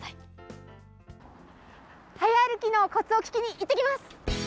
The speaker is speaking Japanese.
はや歩きのコツを聞きに行ってきます。